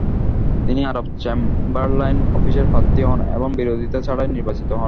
তিনি আবার চেম্বারলাইন অফিসের প্রার্থী হন এবং বিরোধীতা ছাড়াই নির্বাচিত হন।